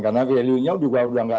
karena value nya juga udah nggak